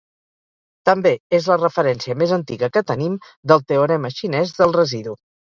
També és la referència més antiga que tenim del Teorema xinès del residu.